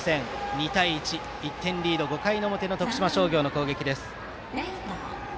２対１、１点リードの徳島商業の攻撃です。